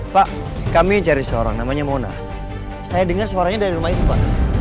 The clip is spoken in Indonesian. pak kami cari seorang namanya mona saya dengar suaranya dari rumahnya